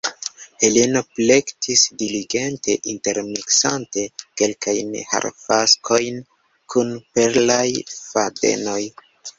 Heleno plektis diligente, intermiksante kelkajn harfaskojn kun perlaj fadenoj.